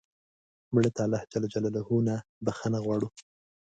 مړه ته الله ج نه بخښنه غواړو